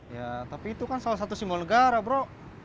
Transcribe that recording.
ya tapi itu kan salah satu simbol negara bro